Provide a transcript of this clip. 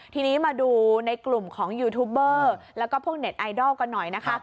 ทีนี้มาดูในกลุ่มของยูทูบเบอร์แล้วก็พวกเน็ตไอดอลกันหน่อยนะคะ